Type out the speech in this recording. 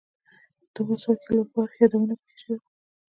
د اووه سوه کیلو بار یادونه په کې شوې وه.